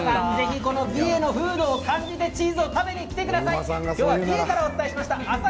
美瑛の風土を感じるチーズ、食べに来てください。